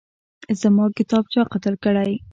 زما کتاب چا قتل کړی